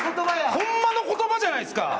ほんまの言葉じゃないっすか！